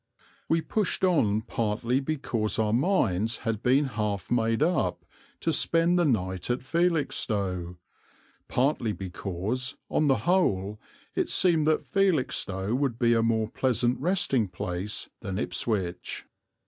We pushed on partly because our minds had been half made up to spend the night at Felixstowe, partly because, on the whole, it seemed that Felixstowe would be a more pleasant resting place than Ipswich.